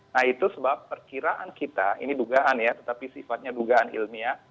nah itu sebab perkiraan kita ini dugaan ya tetapi sifatnya dugaan ilmiah